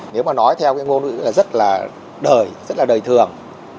nếu mà nói theo cái ngôn ngữ là rất là đời rất là đời thường